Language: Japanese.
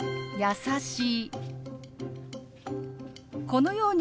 「優しい」。